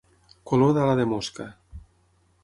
Color d'ala de mosca.